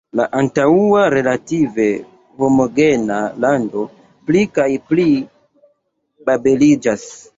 La antaŭa relative homogena lando pli kaj pli babeliĝas.